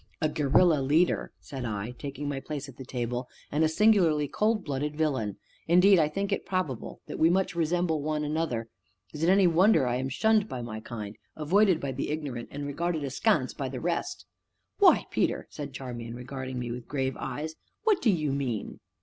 "A guerrilla leader," said I, taking my place at the table, "and a singularly cold blooded villain indeed I think it probable that we much resemble one another; is it any wonder that I am shunned by my kind avoided by the ignorant and regarded askance by the rest?" "Why, Peter!" said Charmian, regarding me with grave eyes, "what do you mean?"